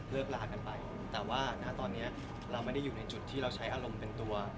ลากันไปแต่ว่าณตอนนี้เราไม่ได้อยู่ในจุดที่เราใช้อารมณ์เป็นตัว